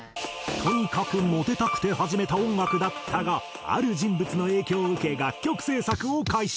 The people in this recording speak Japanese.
とにかくモテたくて始めた音楽だったがある人物の影響を受け楽曲制作を開始。